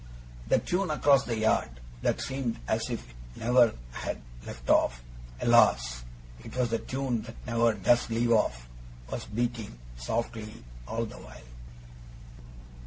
The tune across the yard that seemed as if it never had left off alas! it was the tune that never DOES leave off was beating, softly, all the while.